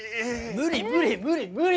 無理無理無理無理！